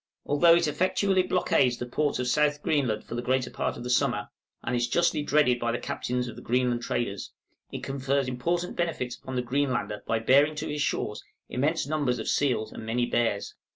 Although it effectually blockades the ports of South Greenland for the greater part of the summer, and is justly dreaded by the captains of the Greenland traders, it confers important benefits upon the Greenlander by bearing to his shores immense numbers of seals and many bears.